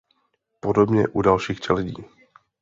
Podobně u dalších čeledí.